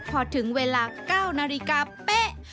พอถึงเวลา๙นาฬิกาเป๊ะ